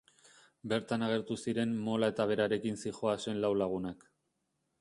Bertan agertu ziren Mola eta berarekin zihoazen lau lagunak.